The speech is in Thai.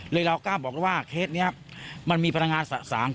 เรากล้าบอกว่าเคสนี้มันมีพลังงานสะสาง